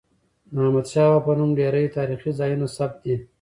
د احمدشاه بابا په نوم ډیري تاریخي ځایونه ثبت دي.